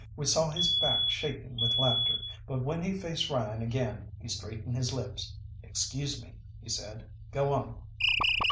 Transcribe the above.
We saw his back shaking with laughter, but when he faced Ryan again he straightened his lips. "Excuse me," he said, "go on."